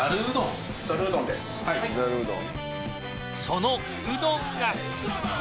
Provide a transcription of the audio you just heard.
そのうどんが